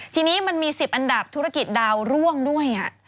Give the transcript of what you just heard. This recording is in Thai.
ทีนี้มันมี๑๐อันดับธุรกิจดาวร่วงด้วย